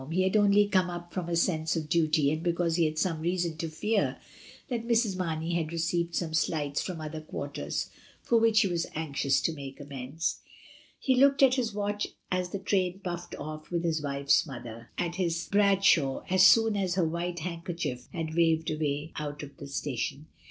He had only come up from a sense of duty, and because he had some reason to fear that Mrs. Mamey had received some slights from other quarters for which he was anxious to make amends. He looked at his watch as the train puffed off with his wife's mother; at his Bradshaw as soon as her white handkerchief had waved away out of the station.